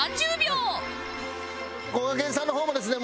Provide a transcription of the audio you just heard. こがけんさんの方もですね